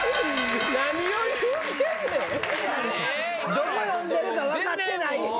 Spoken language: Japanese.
どこ読んでるか分かってないし。